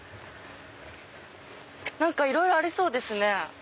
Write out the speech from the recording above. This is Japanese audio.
何かいろいろありそうですね。